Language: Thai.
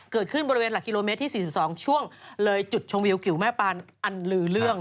เกิดขึ้นบริเวณหลักกิโลเมตรที่๔๒ช่วงเลยจุดชมวิวกิวแม่ปานอันลือเรื่อง